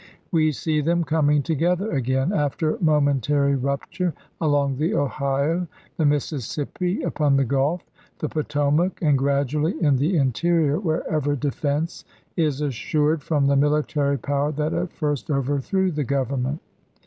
.. We see them coming together again, after momentary rupture, RegOTt. along the Ohio, the Mississippi, upon the Gulf, the Jan., 1865. Potomac, and gradually in the interior wherever defense is assured from the military power that at first overthrew the Government.